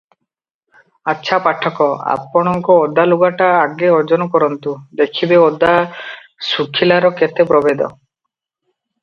ଆଛା ପାଠକ, ଆପଣଙ୍କ ଓଦା ଲୁଗାଟା ଆଗେ ଓଜନ କରନ୍ତୁ, ଦେଖିବେ ଓଦା ଶୁଖିଲାର କେତେ ପ୍ରଭେଦ ।